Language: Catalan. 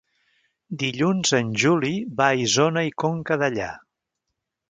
Dilluns en Juli va a Isona i Conca Dellà.